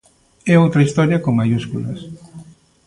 E outra historia con maiúsculas.